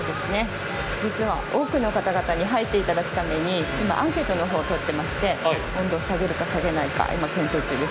実は多くの方に入っていただくために今、アンケートを取っていまして、温度を下げるか下げないか、今、検討中です。